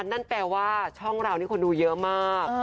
นั่นแปลว่าช่องเรานี่คนดูเยอะมาก